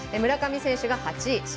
村上選手が８位。